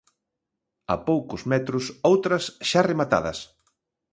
A poucos metros, outras xa rematadas.